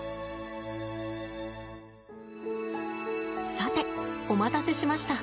さてお待たせしました。